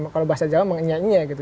kalau bahasa jawa mengenyanyi ya gitu